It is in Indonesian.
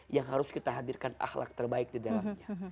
yang harus kita hadirkan ahlak terbaik di dalamnya